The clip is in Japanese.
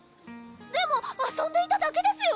でも遊んでいただけですよ！